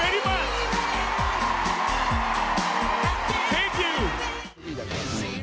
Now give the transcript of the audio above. センキュー！